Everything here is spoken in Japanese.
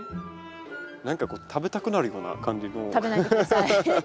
何かこう食べたくなるような感じの。